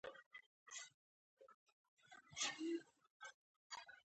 کپتانان د ټاس پرېکړه کوي، چي بيټینګ کوي؛ که بالینګ.